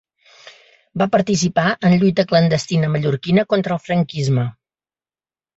Va participar en lluita clandestina mallorquina contra el franquisme.